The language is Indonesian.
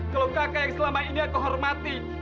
kalau kakak yang selama ini aku hormati